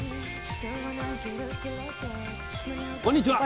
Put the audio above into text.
こんにちは。